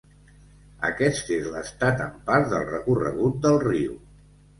Aquest és l'estat en part del recorregut del riu.